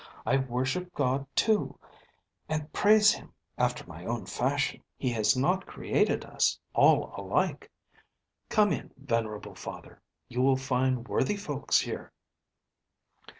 I worship God, too, and praise Him after my own fashion; He has not created us all alike. Come in, venerable father; you will find worthy folks here."